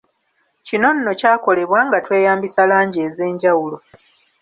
Kino nno kyakolebwa nga tweyambisa langi ez’enjawulo.